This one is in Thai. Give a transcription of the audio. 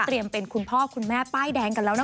เตรียมเป็นคุณพ่อคุณแม่ป้ายแดงกันแล้วนะคุณ